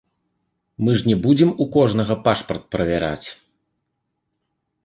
Мы ж не будзем у кожнага пашпарт правяраць.